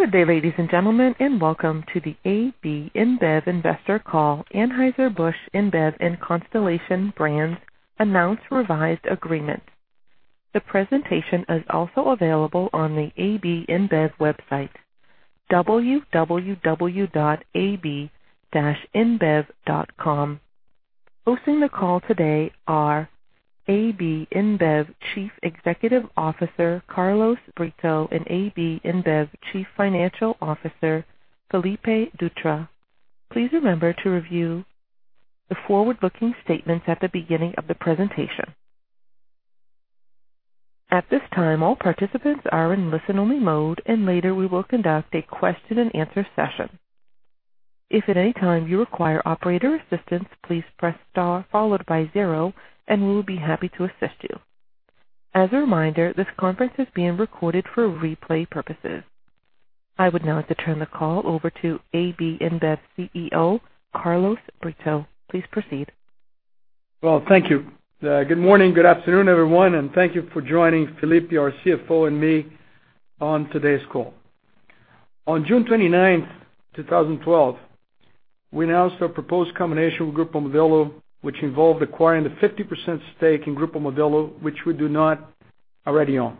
Good day, ladies and gentlemen, and welcome to the AB InBev Investor Call, Anheuser-Busch InBev and Constellation Brands Announce Revised Agreement. The presentation is also available on the AB InBev website, www.ab-inbev.com. Hosting the call today are AB InBev Chief Executive Officer, Carlos Brito, and AB InBev Chief Financial Officer, Felipe Dutra. Please remember to review the forward-looking statements at the beginning of the presentation. At this time, all participants are in listen-only mode, and later we will conduct a question and answer session. If at any time you require operator assistance, please press star followed by zero, and we will be happy to assist you. As a reminder, this conference is being recorded for replay purposes. I would now like to turn the call over to AB InBev CEO, Carlos Brito. Please proceed. Well, thank you. Good morning, good afternoon, everyone, and thank you for joining Felipe, our CFO, and me on today's call. On June 29th, 2012, we announced our proposed combination with Grupo Modelo, which involved acquiring the 50% stake in Grupo Modelo, which we do not already own.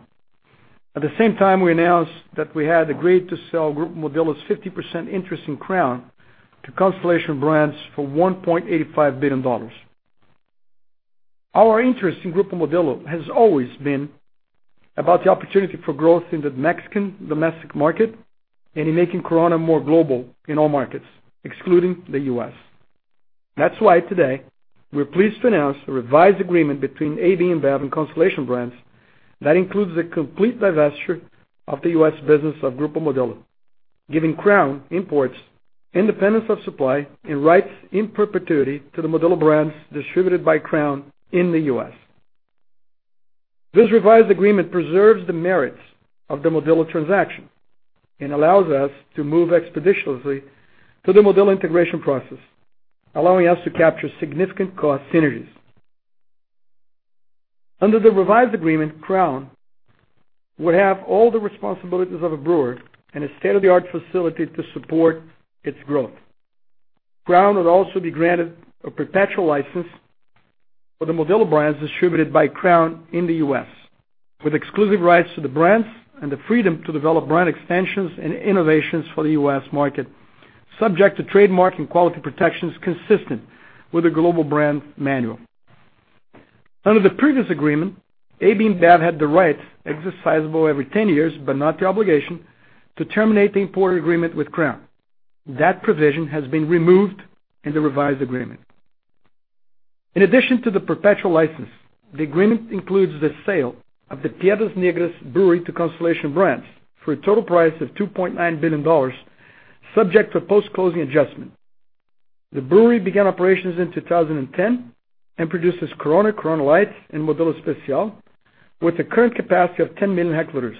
At the same time, we announced that we had agreed to sell Grupo Modelo's 50% interest in Crown to Constellation Brands for $1.85 billion. Our interest in Grupo Modelo has always been about the opportunity for growth in the Mexican domestic market and in making Corona more global in all markets, excluding the U.S. That's why today, we're pleased to announce a revised agreement between AB InBev and Constellation Brands that includes the complete divesture of the U.S. business of Grupo Modelo, giving Crown Imports independence of supply and rights in perpetuity to the Modelo brands distributed by Crown in the U.S. This revised agreement preserves the merits of the Modelo transaction and allows us to move expeditiously through the Modelo integration process, allowing us to capture significant cost synergies. Under the revised agreement, Crown would have all the responsibilities of a brewer and a state-of-the-art facility to support its growth. Crown would also be granted a perpetual license for the Modelo brands distributed by Crown in the U.S., with exclusive rights to the brands and the freedom to develop brand extensions and innovations for the U.S. market, subject to trademark and quality protections consistent with the global brand manual. Under the previous agreement, AB InBev had the right, exercisable every 10 years, but not the obligation, to terminate the importer agreement with Crown. That provision has been removed in the revised agreement. In addition to the perpetual license, the agreement includes the sale of the Piedras Negras brewery to Constellation Brands for a total price of $2.9 billion, subject to post-closing adjustment. The brewery began operations in 2010 and produces Corona Light, and Modelo Especial, with a current capacity of 10 million hectoliters.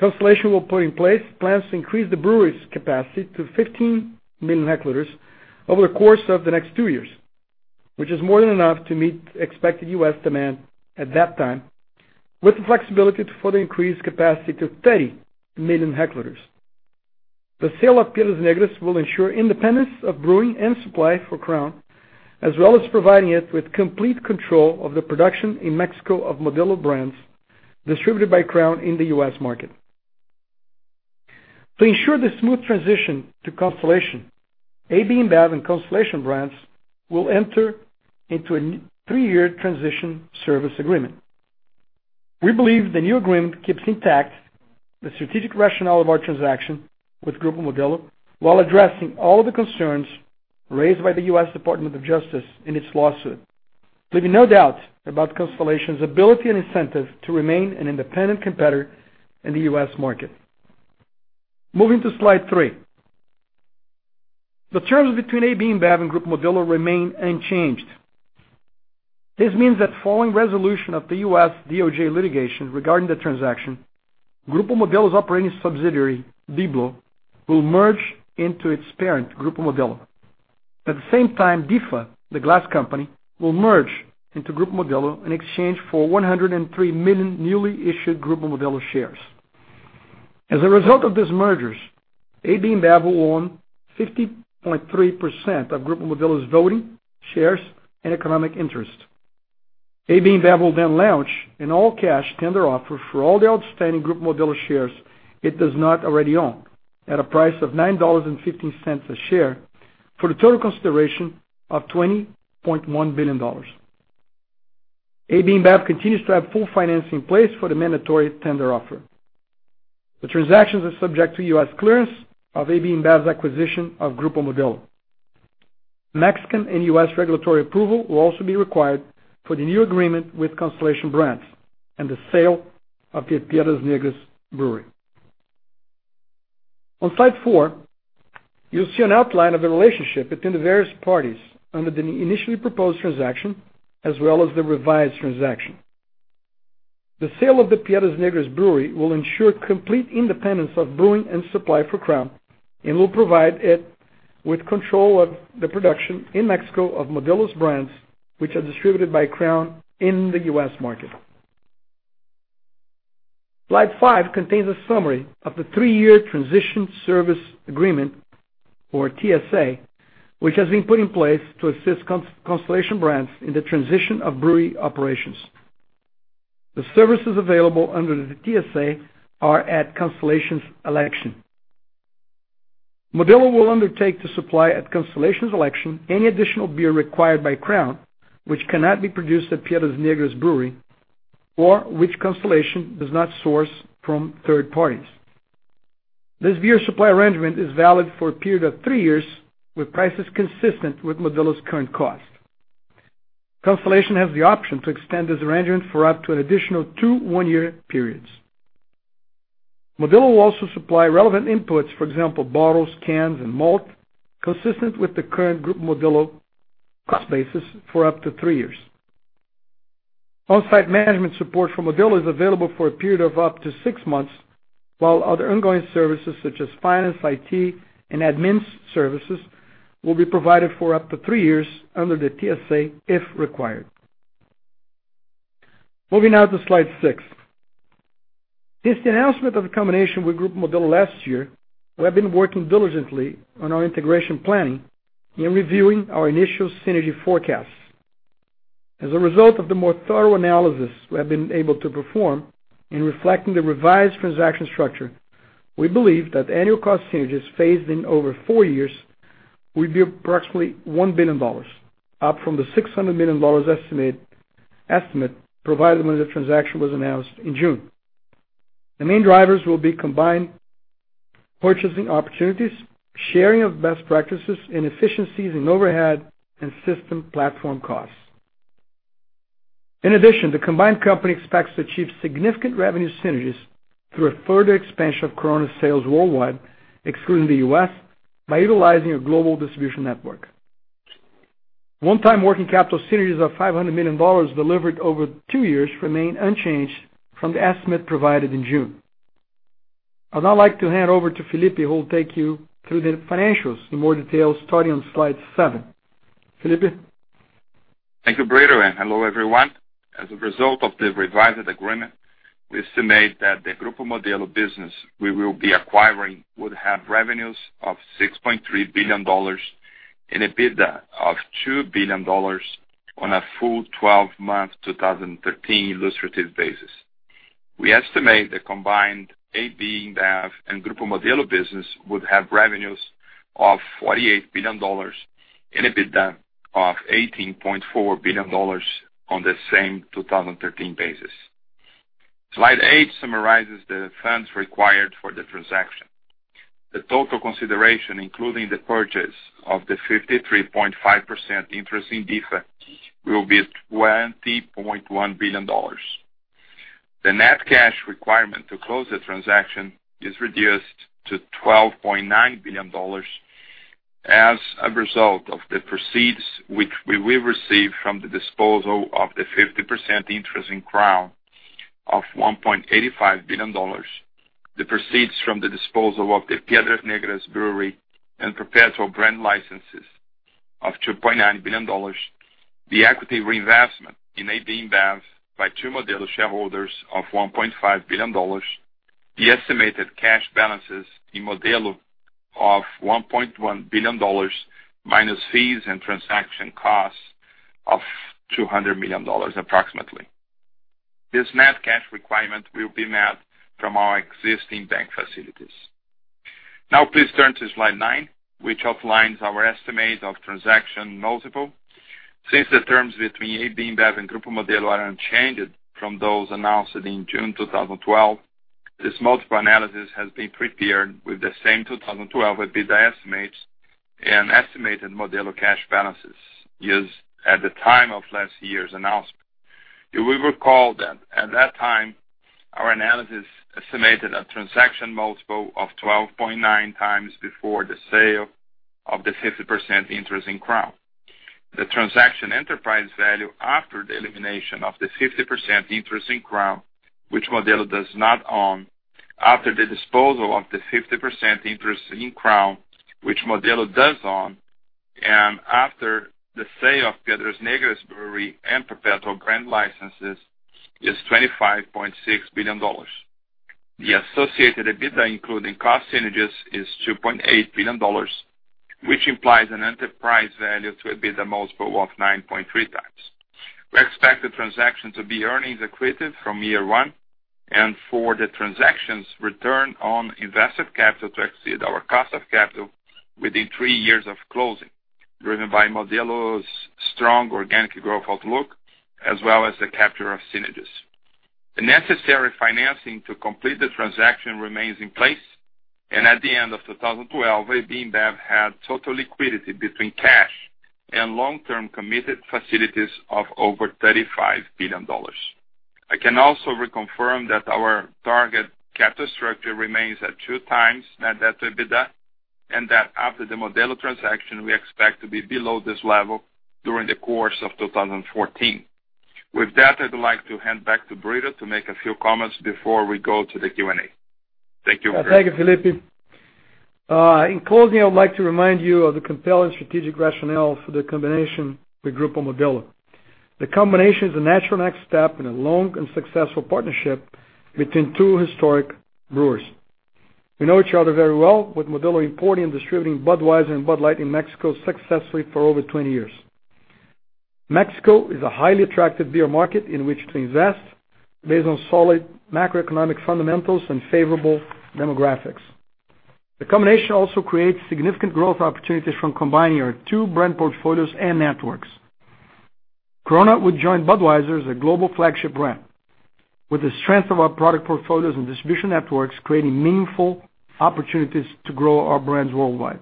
Constellation will put in place plans to increase the brewery's capacity to 15 million hectoliters over the course of the next two years, which is more than enough to meet expected U.S. demand at that time, with the flexibility to further increase capacity to 30 million hectoliters. The sale of Piedras Negras will ensure independence of brewing and supply for Crown, as well as providing it with complete control of the production in Mexico of Modelo brands distributed by Crown in the U.S. market. To ensure the smooth transition to Constellation, AB InBev and Constellation Brands will enter into a three-year transition service agreement. We believe the new agreement keeps intact the strategic rationale of our transaction with Grupo Modelo, while addressing all of the concerns raised by the U.S. Department of Justice in its lawsuit, leaving no doubt about Constellation's ability and incentive to remain an independent competitor in the U.S. market. Moving to slide three. The terms between AB InBev and Grupo Modelo remain unchanged. This means that following resolution of the U.S. DOJ litigation regarding the transaction, Grupo Modelo's operating subsidiary, Diblo, S.A. de C.V., will merge into its parent, Grupo Modelo. At the same time, DIFA, the glass company, will merge into Grupo Modelo in exchange for 103 million newly issued Grupo Modelo shares. As a result of these mergers, AB InBev will own 50.3% of Grupo Modelo's voting shares and economic interest. AB InBev will launch an all-cash tender offer for all the outstanding Grupo Modelo shares it does not already own, at a price of $9.15 a share for a total consideration of $20.1 billion. AB InBev continues to have full financing in place for the mandatory tender offer. The transactions are subject to U.S. clearance of AB InBev's acquisition of Grupo Modelo. Mexican and U.S. regulatory approval will also be required for the new agreement with Constellation Brands and the sale of the Piedras Negras brewery. On slide four, you'll see an outline of the relationship between the various parties under the initially proposed transaction, as well as the revised transaction. The sale of the Piedras Negras brewery will ensure complete independence of brewing and supply for Crown and will provide it with control of the production in Mexico of Modelo's brands, which are distributed by Crown in the U.S. market. Slide five contains a summary of the three-year transition service agreement, or TSA, which has been put in place to assist Constellation Brands in the transition of brewery operations. The services available under the TSA are at Constellation's election. Modelo will undertake to supply, at Constellation's election, any additional beer required by Crown, which cannot be produced at Piedras Negras Brewery, or which Constellation does not source from third parties. This beer supply arrangement is valid for a period of three years, with prices consistent with Modelo's current cost. Constellation has the option to extend this arrangement for up to an additional two, one-year periods. Modelo will also supply relevant inputs, for example, bottles, cans, and malt, consistent with the current Grupo Modelo cost basis for up to three years. On-site management support from Modelo is available for a period of up to six months, while other ongoing services such as finance, IT, and admin services will be provided for up to three years under the TSA if required. Moving now to slide six. Since the announcement of the combination with Grupo Modelo last year, we have been working diligently on our integration planning and reviewing our initial synergy forecasts. As a result of the more thorough analysis we have been able to perform in reflecting the revised transaction structure, we believe that annual cost synergies phased in over four years will be approximately $1 billion, up from the $600 million estimate provided when the transaction was announced in June. The main drivers will be combined purchasing opportunities, sharing of best practices, and efficiencies in overhead and system platform costs. In addition, the combined company expects to achieve significant revenue synergies through a further expansion of Corona sales worldwide, excluding the U.S., by utilizing a global distribution network. One-time working capital synergies of $500 million delivered over two years remain unchanged from the estimate provided in June. I'd now like to hand over to Felipe, who will take you through the financials in more detail, starting on slide seven. Felipe? Thank you, Brito, and hello, everyone. As a result of the revised agreement, we estimate that the Grupo Modelo business we will be acquiring would have revenues of $6.3 billion and an EBITDA of $2 billion on a full 12-month 2013 illustrative basis. We estimate the combined AB InBev and Grupo Modelo business would have revenues of $48 billion and EBITDA of $18.4 billion on the same 2013 basis. Slide eight summarizes the funds required for the transaction. The total consideration, including the purchase of the 53.5% interest in DIFA, will be $20.1 billion. The net cash requirement to close the transaction is reduced to $12.9 billion as a result of the proceeds which we will receive from the disposal of the 50% interest in Crown of $1.85 billion, the proceeds from the disposal of the Piedras Negras Brewery and perpetual brand licenses of $2.9 billion, the equity reinvestment in AB InBev by two Modelo shareholders of $1.5 billion, the estimated cash balances in Modelo of $1.1 billion, minus fees and transaction costs of $200 million approximately. This net cash requirement will be met from our existing bank facilities. Now please turn to slide nine, which outlines our estimate of transaction multiple. Since the terms between AB InBev and Grupo Modelo are unchanged from those announced in June 2012, this multiple analysis has been prepared with the same 2012 EBITDA estimates and estimated Modelo cash balances used at the time of last year's announcement. You will recall that at that time, our analysis estimated a transaction multiple of 12.9x before the sale of the 50% interest in Crown. The transaction enterprise value after the elimination of the 50% interest in Crown, which Modelo does not own, after the disposal of the 50% interest in Crown, which Modelo does own, and after the sale of Piedras Negras Brewery and perpetual brand licenses, is $25.6 billion. The associated EBITDA, including cost synergies, is $2.8 billion, which implies an enterprise value to EBITDA multiple of 9.3x. We expect the transaction to be earnings accretive from year one and for the transaction's return on invested capital to exceed our cost of capital within three years of closing, driven by Modelo's strong organic growth outlook, as well as the capture of synergies. The necessary financing to complete the transaction remains in place. At the end of 2012, AB InBev had total liquidity between cash and long-term committed facilities of over $35 billion. I can also reconfirm that our target capital structure remains at 2x net debt to EBITDA. That after the Modelo transaction, we expect to be below this level during the course of 2014. With that, I'd like to hand back to Brito to make a few comments before we go to the Q&A. Thank you. Thank you, Felipe. In closing, I would like to remind you of the compelling strategic rationale for the combination with Grupo Modelo. The combination is a natural next step in a long and successful partnership between two historic brewers. We know each other very well, with Modelo importing and distributing Budweiser and Bud Light in Mexico successfully for over 20 years. Mexico is a highly attractive beer market in which to invest based on solid macroeconomic fundamentals and favorable demographics. The combination also creates significant growth opportunities from combining our two brand portfolios and networks. Corona would join Budweiser as a global flagship brand. With the strength of our product portfolios and distribution networks, creating meaningful opportunities to grow our brands worldwide.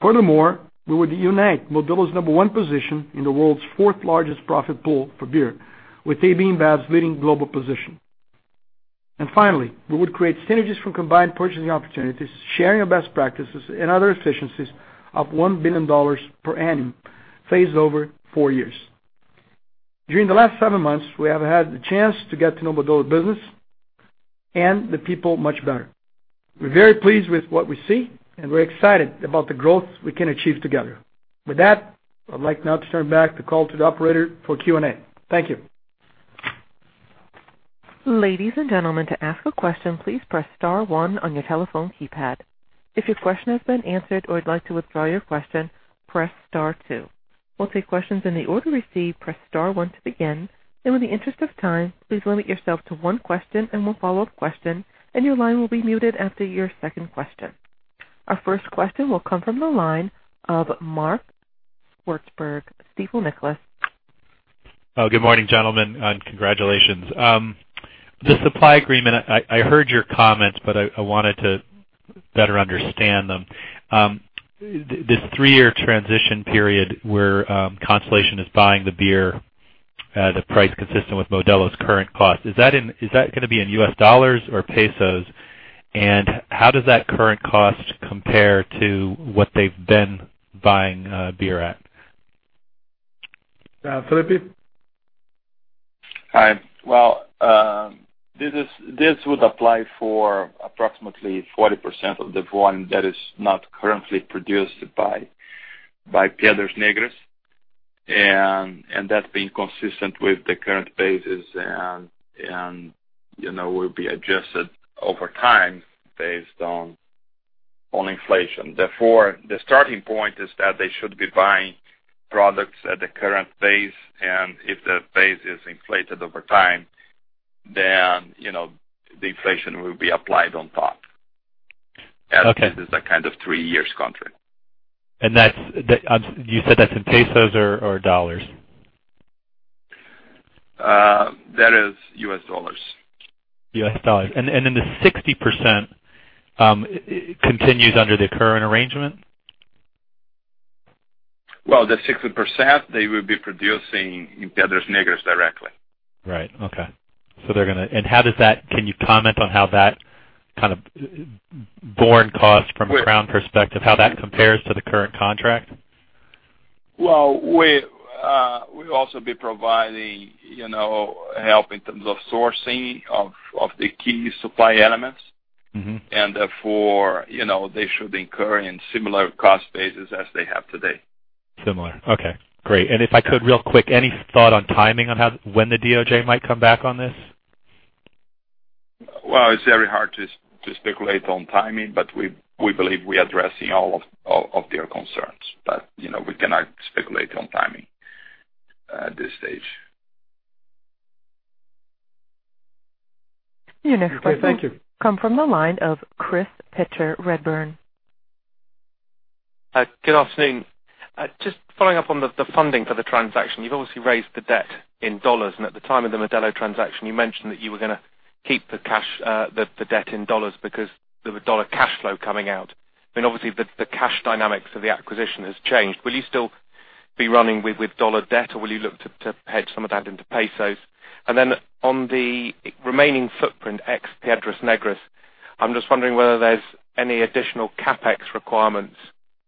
Furthermore, we would unite Modelo's number one position in the world's fourth largest profit pool for beer with Anheuser-Busch InBev's leading global position. Finally, we would create synergies from combined purchasing opportunities, sharing of best practices and other efficiencies of $1 billion per annum, phased over four years. During the last seven months, we have had the chance to get to know Modelo business and the people much better. We're very pleased with what we see, and we're excited about the growth we can achieve together. With that, I'd like now to turn back the call to the operator for Q&A. Thank you. Ladies and gentlemen, to ask a question, please press star one on your telephone keypad. If your question has been answered or you'd like to withdraw your question, press star two. We'll take questions in the order received. Press star one to begin. In the interest of time, please limit yourself to one question and one follow-up question. Your line will be muted after your second question. Our first question will come from the line of Mark Swartzberg, Stifel Nicolaus. Good morning, gentlemen. Congratulations. The supply agreement, I heard your comments, but I wanted to better understand them. This 3-year transition period where Constellation is buying the beer at a price consistent with Modelo's current cost, is that going to be in US dollars or pesos? How does that current cost compare to what they've been buying beer at? Felipe? Hi. This would apply for approximately 40% of the volume that is not currently produced by Piedras Negras, that being consistent with the current prices and will be adjusted over time based on inflation. The starting point is that they should be buying products at the current price, if the price is inflated over time, the inflation will be applied on top. Okay. This is a kind of 3-year contract. You said that's in pesos or dollars? That is US dollars. US dollars. Then the 60% continues under the current arrangement? Well, the 60%, they will be producing in Piedras Negras directly. Right. Okay. Can you comment on how that kind of borne cost from a Crown perspective, how that compares to the current contract? Well, we'll also be providing help in terms of sourcing of the key supply elements. Therefore, they should incur in similar cost bases as they have today. Similar. Okay, great. If I could, real quick, any thought on timing on when the DOJ might come back on this? Well, it's very hard to speculate on timing, but we believe we're addressing all of their concerns. We cannot speculate on timing at this stage. Okay, thank you. Your next question will come from the line of Chris Pitcher, Redburn. Good afternoon. Just following up on the funding for the transaction. You've obviously raised the debt in dollars. At the time of the Modelo transaction, you mentioned that you were going to keep the debt in dollars because of the dollar cash flow coming out. Obviously, the cash dynamics of the acquisition has changed. Will you still be running with dollar debt, or will you look to hedge some of that into pesos? On the remaining footprint, ex Piedras Negras, I'm just wondering whether there's any additional CapEx requirements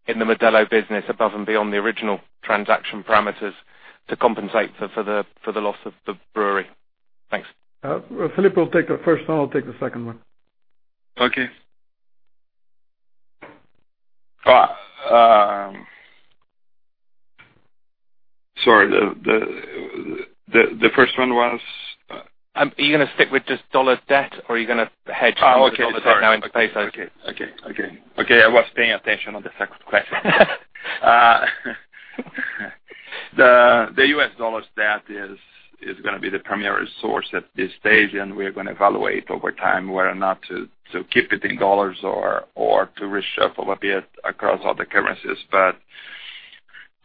in the Modelo business above and beyond the original transaction parameters to compensate for the loss of the brewery. Thanks. Felipe will take the first one. I'll take the second one. Okay. Sorry, the first one was? Are you going to stick with just dollar debt, or are you going to hedge- Oh, okay. The dollar debt now into pesos. Okay. Okay. I was paying attention on the second question. The U.S. dollar debt is going to be the primary source at this stage, and we're going to evaluate over time whether or not to keep it in dollars or to reshuffle a bit across other currencies.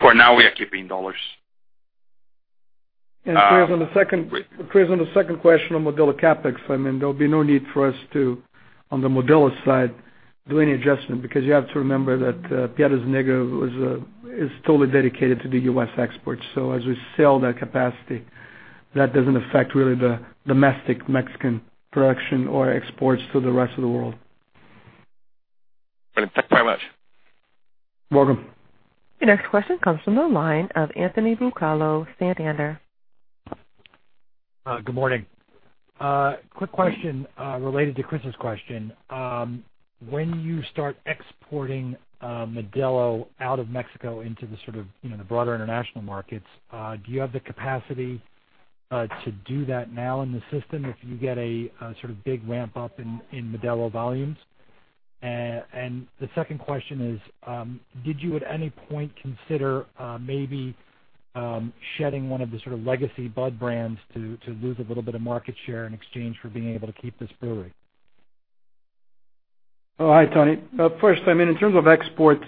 For now, we are keeping dollars. Chris, on the second question on Modelo CapEx, there'll be no need for us to, on the Modelo side, do any adjustment because you have to remember that Piedras Negras is totally dedicated to the U.S. exports. As we sell that capacity, that doesn't affect really the domestic Mexican production or exports to the rest of the world. Great. Thank very much. Welcome. Your next question comes from the line of Anthony Buccolo, Santander. Good morning. Quick question related to Chris's question. When you start exporting Modelo out of Mexico into the broader international markets, do you have the capacity to do that now in the system if you get a big ramp-up in Modelo volumes? The second question is, did you, at any point, consider maybe shedding one of the legacy Bud brands to lose a little bit of market share in exchange for being able to keep this brewery? Oh, hi, Tony. First, in terms of export, we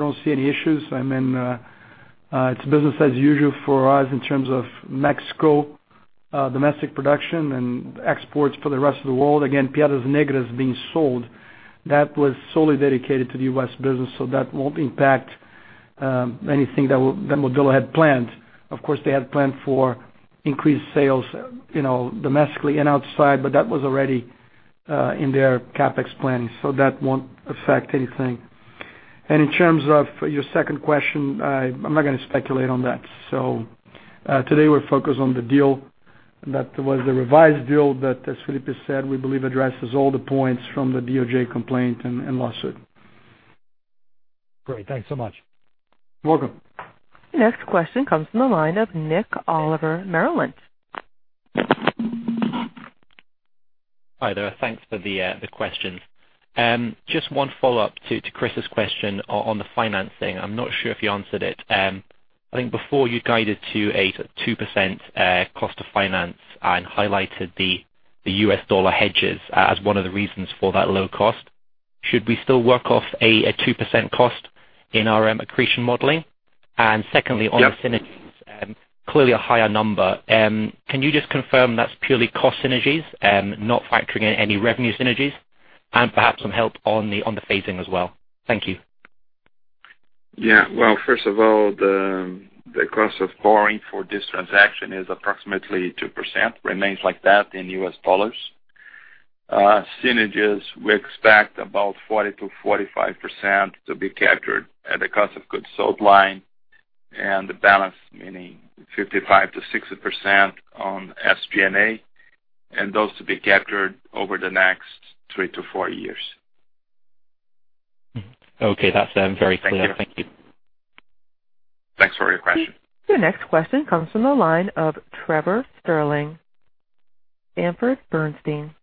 don't see any issues. It's business as usual for us in terms of Mexico domestic production and exports for the rest of the world. Again, Piedras Negras being sold, that was solely dedicated to the U.S. business, so that won't impact anything that Modelo had planned. Of course, they had planned for increased sales domestically and outside, but that was already in their CapEx planning, so that won't affect anything. In terms of your second question, I'm not going to speculate on that. Today, we're focused on the deal. That was the revised deal that, as Felipe said, we believe addresses all the points from the DOJ complaint and lawsuit. Great. Thanks so much. You're welcome. Your next question comes from the line of Nick Oliver, Merrill Lynch. Hi there. Thanks for the question. Just one follow-up to Chris's question on the financing. I'm not sure if you answered it. I think before you guided to a 2% cost of finance and highlighted the U.S. dollar hedges as one of the reasons for that low cost. Should we still work off a 2% cost in our accretion modeling? Secondly. Yeah On the synergies, clearly a higher number. Can you just confirm that's purely cost synergies, not factoring in any revenue synergies? Perhaps some help on the phasing as well. Thank you. Yeah. Well, first of all, the cost of borrowing for this transaction is approximately 2%, remains like that in U.S. dollars. Synergies, we expect about 40%-45% to be captured at the cost of goods sold line and the balance, meaning 55%-60% on SG&A, and those to be captured over the next three to four years. Okay. That's very clear. Thank you. Thank you. Thanks for your question. Your next question comes from the line of Trevor Stirling, Sanford Bernstein.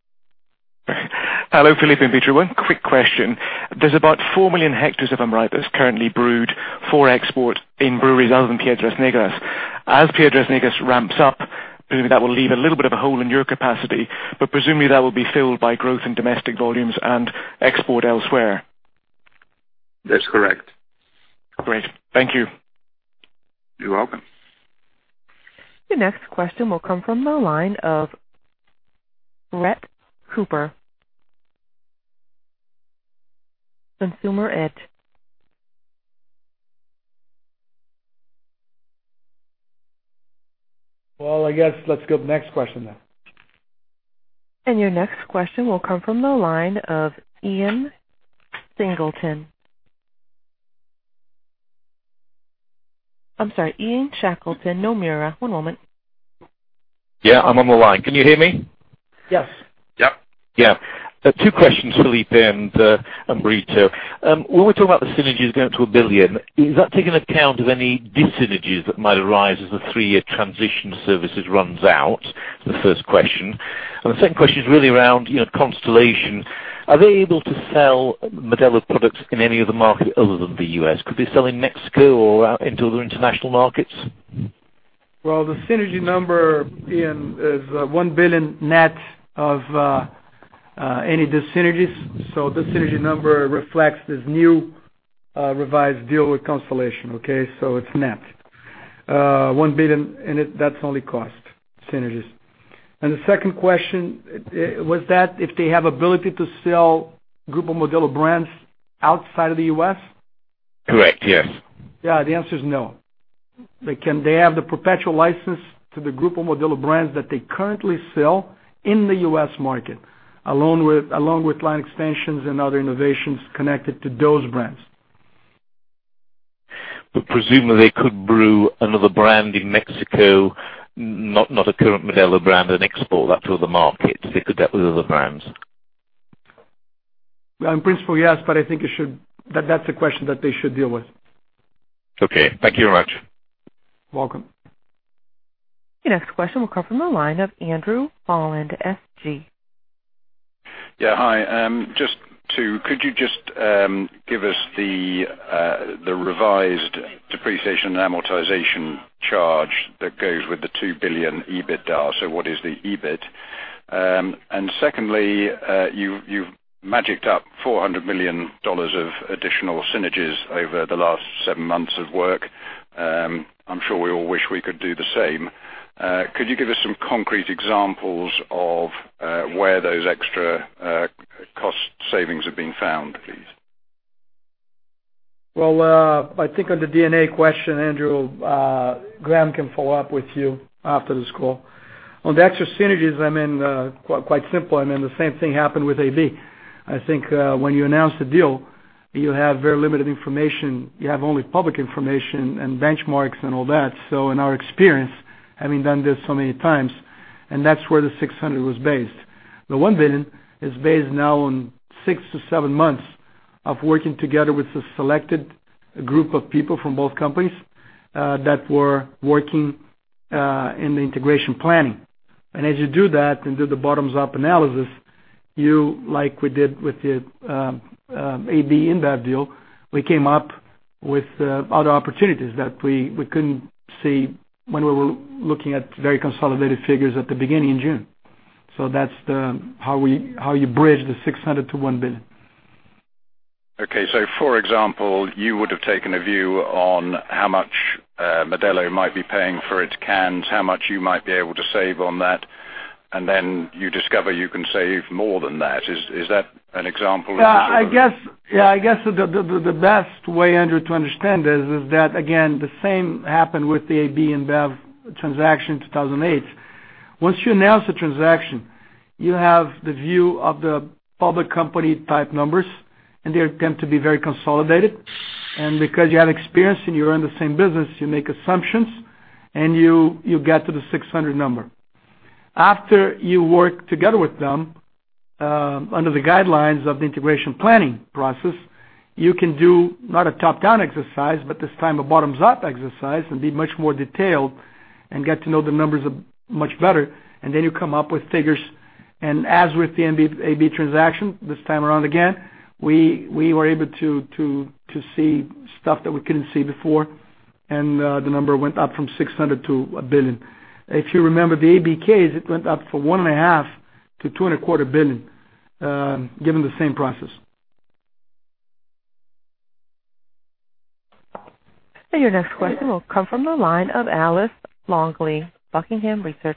Hello, Felipe and Brito. One quick question. There's about 4 million hectoliters that's currently brewed for export in breweries other than Piedras Negras. As Piedras Negras ramps up, presumably that will leave a little bit of a hole in your capacity, but presumably that will be filled by growth in domestic volumes and export elsewhere. That's correct. Great. Thank you. You're welcome. Your next question will come from the line of Brett Cooper, Consumer Edge. Well, I guess let's go next question then. Your next question will come from the line of Ian Singleton. I'm sorry, Ian Shackleton, Nomura. One moment. Yeah, I'm on the line. Can you hear me? Yes. Yep. Yeah. Two questions, Felipe and Brito. When we talk about the synergies going up to $1 billion, does that take into account any dis-synergies that might arise as the 3-year transition services runs out? The first question. The second question is really around Constellation. Are they able to sell Modelo products in any other market other than the U.S.? Could they sell in Mexico or into other international markets? Well, the synergy number, Ian, is $1 billion net of any dis-synergies. The synergy number reflects this new revised deal with Constellation, okay? It's net. $1 billion, and that's only cost synergies. The second question, was that if they have ability to sell Grupo Modelo brands outside of the U.S.? Correct, yes. Yeah, the answer is no. They have the perpetual license to the Grupo Modelo brands that they currently sell in the U.S. market, along with line extensions and other innovations connected to those brands. Presumably they could brew another brand in Mexico, not a current Modelo brand, and export that to other markets. They could do that with other brands. In principle, yes, but I think that's a question that they should deal with. Okay. Thank you very much. Welcome. Your next question will come from the line of Andrew Holland, SG. Yeah. Hi. Could you just give us the revised Depreciation and Amortization charge that goes with the $2 billion EBITDA? What is the EBIT? Secondly, you've magicked up $400 million of additional synergies over the last 7 months of work. I'm sure we all wish we could do the same. Could you give us some concrete examples of where those extra cost savings have been found, please? Well, I think on the D&A question, Andrew, Graham can follow up with you after this call. On the extra synergies, quite simple, the same thing happened with AB. I think when you announce the deal, you have very limited information. You have only public information and benchmarks and all that. In our experience, having done this so many times, that's where the $600 million was based. The $1 billion is based now on 6 to 7 months of working together with a selected group of people from both companies, that were working in the integration planning. As you do that and do the bottoms-up analysis, you, like we did with the AB InBev deal, we came up with other opportunities that we couldn't see when we were looking at very consolidated figures at the beginning in June. That's how you bridge the $600 million to $1 billion. Okay. For example, you would have taken a view on how much Modelo might be paying for its cans, how much you might be able to save on that, then you discover you can save more than that. Is that an example of the sort of. I guess the best way, Andrew, to understand this is that, again, the same happened with the Anheuser-Busch InBev transaction 2008. Once you announce the transaction, you have the view of the public company-type numbers, and they tend to be very consolidated. Because you have experience and you're in the same business, you make assumptions, and you get to the $600 million number. After you work together with them, under the guidelines of the integration planning process, you can do not a top-down exercise, but this time a bottoms-up exercise and be much more detailed and get to know the numbers much better, then you come up with figures. As with the Anheuser-Busch transaction, this time around again, we were able to see stuff that we couldn't see before, and the number went up from $600 million to $1 billion. If you remember the Anheuser-Busch case, it went up from $one and a half billion to $two and a quarter billion, given the same process. Your next question will come from the line of Alice Longley, Buckingham Research.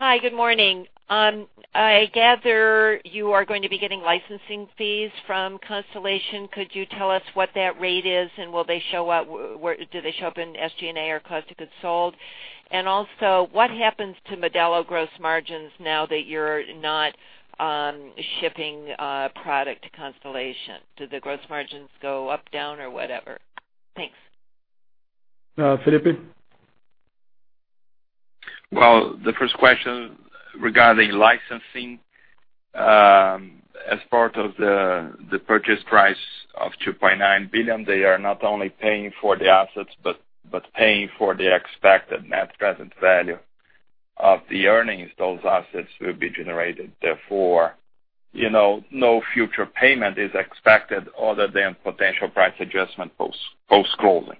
Hi, good morning. I gather you are going to be getting licensing fees from Constellation. Could you tell us what that rate is, and do they show up in SG&A or cost of goods sold? Also, what happens to Modelo gross margins now that you're not shipping product to Constellation? Do the gross margins go up, down or whatever? Thanks. Felipe? The first question regarding licensing, as part of the purchase price of $2.9 billion, they are not only paying for the assets but paying for the expected net present value of the earnings those assets will be generating. Therefore, no future payment is expected other than potential price adjustment post-closing.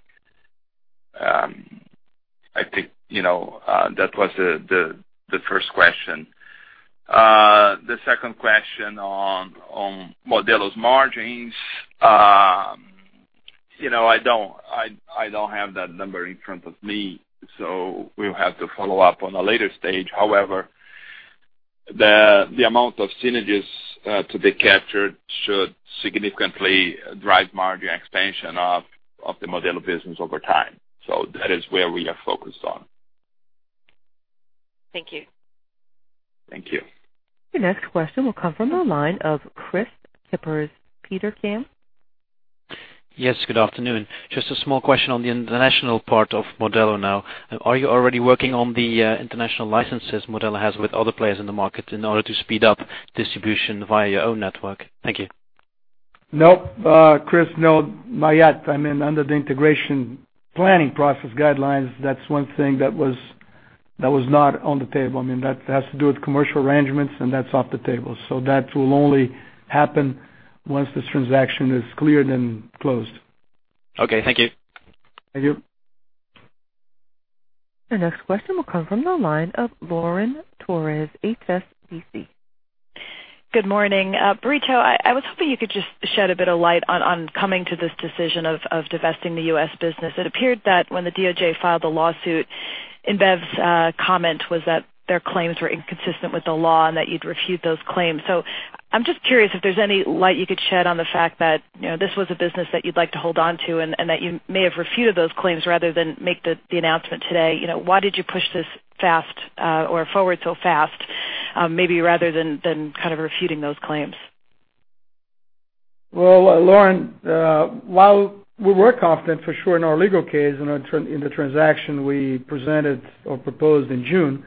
I think that was the first question. The second question on Modelo's margins, I don't have that number in front of me, so we'll have to follow up on a later stage. However, the amount of synergies to be captured should significantly drive margin expansion of the Modelo business over time. That is where we are focused on. Thank you. Thank you. Your next question will come from the line of Kris Kippers, Petercam. Yes, good afternoon. Just a small question on the international part of Modelo now. Are you already working on the international licenses Modelo has with other players in the market in order to speed up distribution via your own network? Thank you. Nope. Chris, no, not yet. Under the integration planning process guidelines, that's one thing that was not on the table. That has to do with commercial arrangements, and that's off the table. That will only happen once this transaction is cleared and closed. Okay, thank you. Thank you. Your next question will come from the line of Lauren Torres, HSBC. Good morning. Brito, I was hoping you could just shed a bit of light on coming to this decision of divesting the U.S. business. It appeared that when the DOJ filed the lawsuit, InBev's comment was that their claims were inconsistent with the law and that you'd refute those claims. I'm just curious if there's any light you could shed on the fact that this was a business that you'd like to hold on to and that you may have refuted those claims rather than make the announcement today. Why did you push this fast, or forward so fast, maybe rather than refuting those claims? Well, Lauren, while we were confident for sure in our legal case, in the transaction we presented or proposed in June,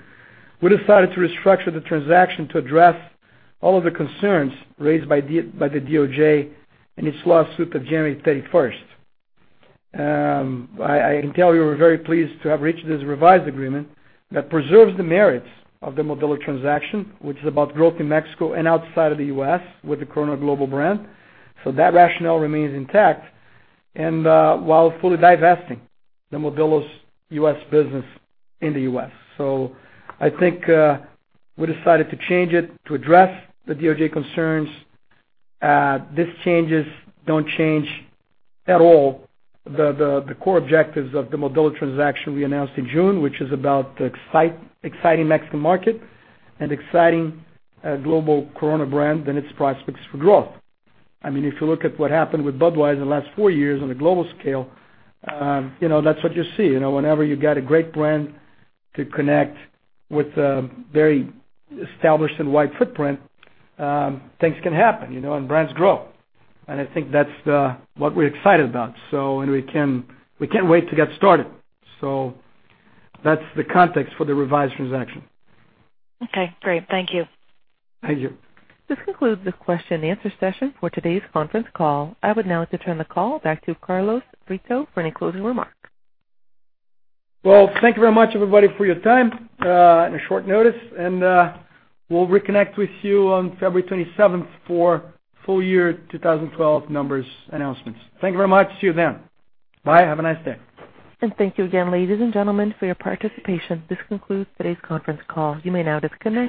we decided to restructure the transaction to address all of the concerns raised by the DOJ in its lawsuit of January 31st. I can tell you we're very pleased to have reached this revised agreement that preserves the merits of the Modelo transaction, which is about growth in Mexico and outside of the U.S. with the Corona global brand. I think we decided to change it to address the DOJ concerns. These changes don't change at all the core objectives of the Modelo transaction we announced in June, which is about exciting Mexican market and exciting global Corona brand and its prospects for growth. If you look at what happened with Budweiser in the last four years on a global scale, that's what you see. Whenever you get a great brand to connect with a very established and wide footprint, things can happen, and brands grow. I think that's what we're excited about. We can't wait to get started. That's the context for the revised transaction. Okay, great. Thank you. Thank you. This concludes the question and answer session for today's conference call. I would now like to turn the call back to Carlos Brito for any closing remarks. Well, thank you very much, everybody, for your time and short notice. We'll reconnect with you on February 27th for full year 2012 numbers announcements. Thank you very much. See you then. Bye. Have a nice day. Thank you again, ladies and gentlemen, for your participation. This concludes today's conference call. You may now disconnect.